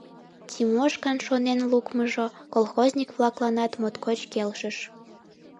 Тимошкан шонен лукмыжо колхозник-влакланат моткоч келшыш.